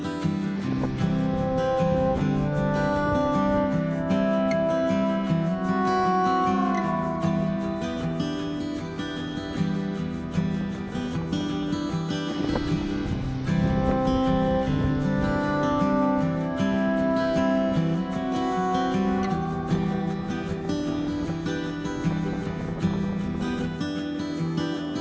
empat hari sudah jalan